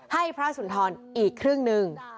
ให้พระสุนทรอีกครึ่งหนึ่ง